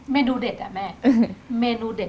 เมนูเด็ดอ่ะแม่